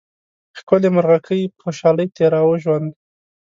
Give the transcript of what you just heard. ښکلې مرغکۍ په خوشحالۍ تېراوه ژوند